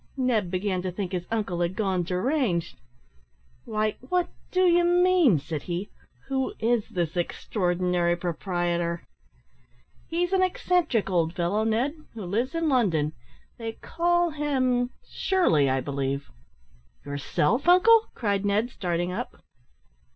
Ned began to think his uncle had gone deranged. "Why, what do you mean," said he, "who is this extraordinary proprietor?" "He's an eccentric old fellow, Ned, who lives in London they call him Shirley, I believe." "Yourself, uncle!" cried Ned, starting up.